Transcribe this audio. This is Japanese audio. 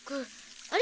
あれ？